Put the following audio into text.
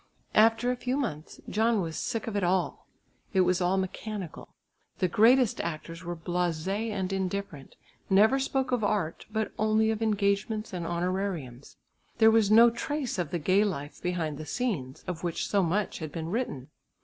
After a few months John was sick of it all. It was all mechanical. The greatest actors were blasé and indifferent, never spoke of art, but only of engagements and honorariums. There was no trace of the gay life behind the scenes, of which so much had been written.